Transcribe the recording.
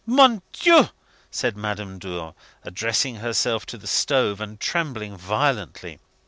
"Mon Dieu!" said Madame Dor, addressing herself to the stove, and trembling violently.